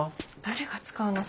誰が使うの？